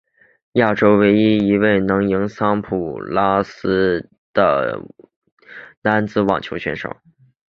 亚洲唯一一位能赢桑普拉斯的男子网球选手。